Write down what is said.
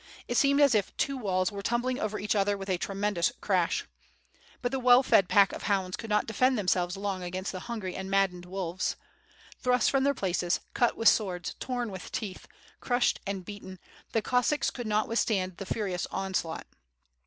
It seemed as if two walls were tumbling over each other with a tremendous crash. But the well fed pack of hounds could not defend themselves long against the hungry and maddened wolves. Thrust from their places, cut with swords, torn with teeth, crushed and beaten, the Cossacks could not withstand the furious onslaught.